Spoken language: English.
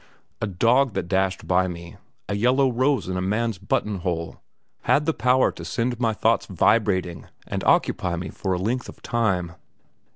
A dog that dashed by me, a yellow rose in a man's buttonhole, had the power to set my thoughts vibrating and occupy me for a length of time.